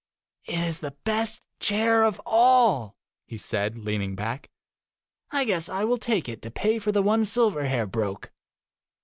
' It is the best chair of all,' he said, leaning back. ' I guess I will take it to pay for the one Silverhair broke.